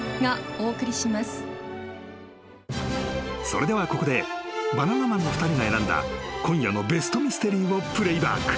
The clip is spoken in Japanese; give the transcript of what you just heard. ［それではここでバナナマンの２人が選んだ今夜のベストミステリーをプレーバック］